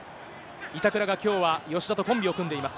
板倉がきょうは吉田とコンビを組んでいます。